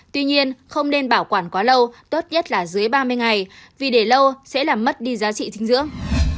tuy nhiên không nên bảo quản quá lâu tốt nhất là dưới ba mươi ngày vì để lâu sẽ làm mất đi giá trị dinh dưỡng